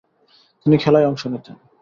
তিনি খেলায় অংশ নিতেন।